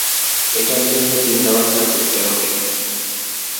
এটার জন্য চিন্তাভাবনা করতে হবে।